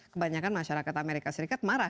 kebanyakan masyarakat amerika serikat marah